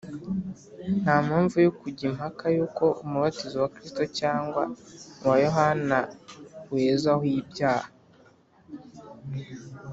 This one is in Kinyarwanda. ” Nta mpamvu yo kujya impaka yuko umubatizo wa Kristo cyangwa uwa Yohana wezaho ibyaha